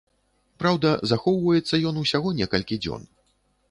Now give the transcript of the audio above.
Праўда, захоўваецца ён ўсяго некалькі дзён.